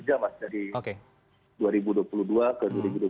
jadi dari dua ribu dua puluh dua ke dua ribu dua puluh tiga